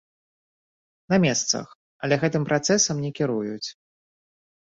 На месцах, але гэтым працэсам не кіруюць.